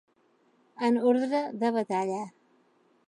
En ordre de batalla.